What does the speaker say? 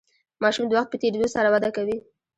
ماشوم د وخت په تیریدو سره وده کوي.